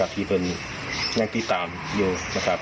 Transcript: ที่เช่อนกันยังติดตามอยู่